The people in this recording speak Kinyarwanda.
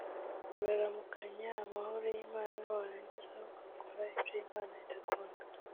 Uraramukanya amahoro y’Imana warangiza ugakora ibyo Imana idakunda